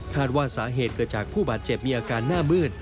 ว่าสาเหตุเกิดจากผู้บาดเจ็บมีอาการหน้ามืด